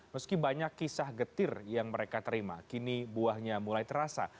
meski banyak kisah getir yang mereka terima kini buahnya mulai terasa